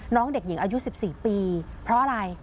น้องเด็กหญิงอายุ๑๔ปีเพราะอะไร